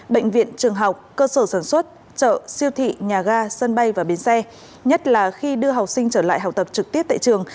bệnh viện trường học cơ sở sản xuất chợ siêu thị nhà ga sân bay và bến xe nhất là khi đưa học sinh trở lại học tập trực tiếp tại trường